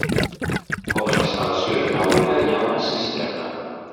Com a instal·lació hidràulica hi ha una cisterna.